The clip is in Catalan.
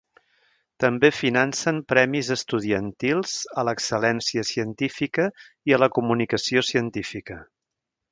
També financen premis estudiantils a l'excel·lència científica i a la comunicació científica.